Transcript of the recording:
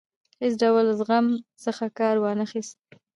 هیڅ ډول زغم څخه کار وانه خیست.